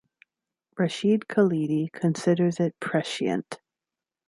Rashid Khalidi considers it "prescient".